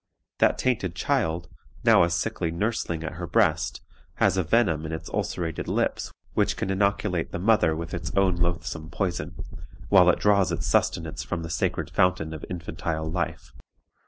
That tainted child, now a sickly nursling at her breast, has a venom in its ulcerated lips which can inoculate the mother with its own loathsome poison, while it draws its sustenance from the sacred fountain of infantile life.